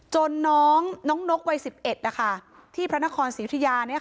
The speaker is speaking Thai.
จนน้องน้องนกวัยสิบเอ็ดนะคะที่พระนครศรีวิทยาเนี้ยค่ะ